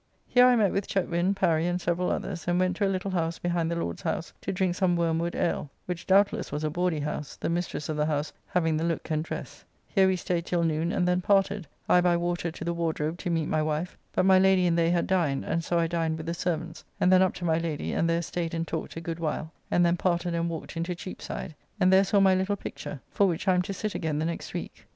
Here I met with Chetwind, Parry, and several others, and went to a little house behind the Lords' house to drink some wormwood ale, which doubtless was a bawdy house, the mistress of the house having the look and dress: Here we staid till noon and then parted, I by water to the Wardrobe to meet my wife, but my Lady and they had dined, and so I dined with the servants, and then up to my Lady, and there staid and talked a good while, and then parted and walked into Cheapside, and there saw my little picture, for which I am to sit again the next week.